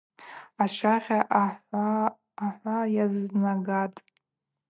Ашвагъьа ахӏва йазнагатӏ.